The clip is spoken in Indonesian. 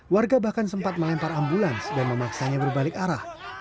warga bahkan sempat melempar ambulans dan memaksanya berbalik arah